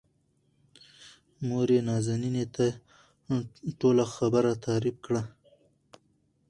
موريې نازنين ته ټوله خبره تعريف کړه.